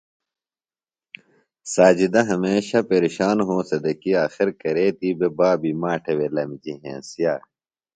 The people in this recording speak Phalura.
ساجدہ ہمیشہ پیرِشان ہونسہ دےۡ کی آخر کرے تھی بےۡ بابی ماٹہ وے لمِجیۡ ہنسیا۔